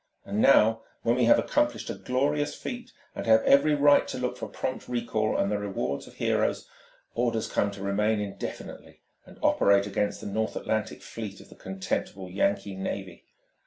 And now, when we have accomplished a glorious feat and have every right to look for prompt recall and the rewards of heroes, orders come to remain indefinitely and operate against the North Atlantic fleet of the contemptible Yankee navy!